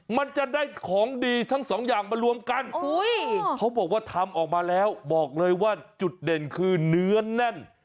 มันจะได้ของดีทั้งสองอย่างมารวมกันเขาบอกว่าทำออกมาแล้วบอกเลยว่าจุดเด่นคือเนื้อแน่น